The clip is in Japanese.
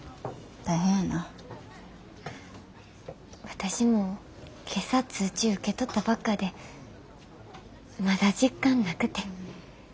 私も今朝通知受け取ったばっかでまだ実感なくて。